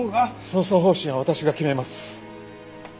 捜査方針は私が決めます。